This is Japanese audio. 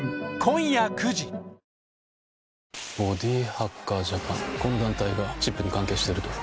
ボディハッカージャパンこの団体がチップに関係してると？